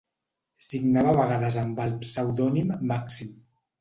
Signava a vegades amb el pseudònim Màxim.